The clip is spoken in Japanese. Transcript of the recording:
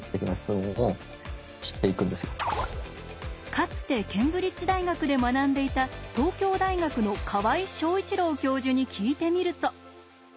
かつてケンブリッジ大学で学んでいた東京大学の河合祥一郎教授に聞いてみると。